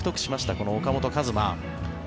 この岡本和真。